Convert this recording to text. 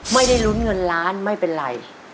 ไม่ได้ลุ้นเงินล้านไม่เป็นไร